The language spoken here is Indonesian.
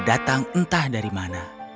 datang entah dari mana